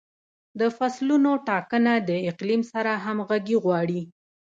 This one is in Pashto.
د فصلونو ټاکنه د اقلیم سره همغږي غواړي.